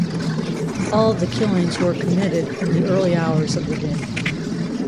All of the killings were committed in the early hours of the day.